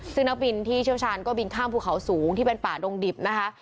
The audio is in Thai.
ซึ่งนักบินที่เชี่ยวชาญก็บินข้ามภูเขาสูงที่เป็นป่าดงดิบนะคะ